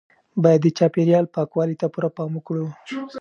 باید د چاپیریال پاکوالي ته پوره پام وکړو.